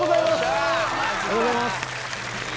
ありがとうございます。